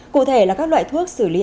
cụ thể là các loại thuốc xử lý